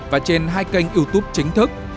và trên hai kênh youtube chính thức